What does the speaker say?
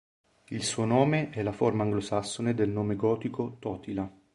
Il suo nome è la forma anglosassone del nome gotico Totila.